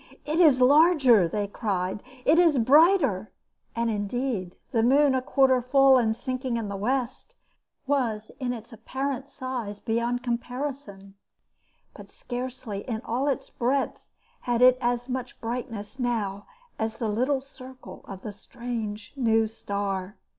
"It is larger," they cried. "It is brighter!" And, indeed the moon a quarter full and sinking in the west was in its apparent size beyond comparison, but scarcely in all its breadth had it as much brightness now as the little circle of the strange new star.